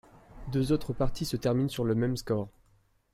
Deux autres parties se terminent sur le même score.